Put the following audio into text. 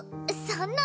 そんな